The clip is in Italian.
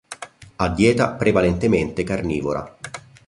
Ha dieta prevalentemente carnivora.